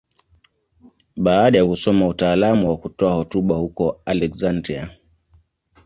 Baada ya kusoma utaalamu wa kutoa hotuba huko Aleksandria.